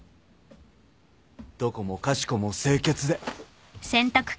どこもかしこも清潔で。